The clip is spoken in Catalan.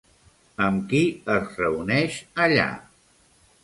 Amb qui es reuneix allà?